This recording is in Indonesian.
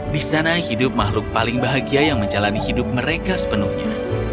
di sana hidup makhluk paling bahagia yang menjalani hidup mereka sepenuhnya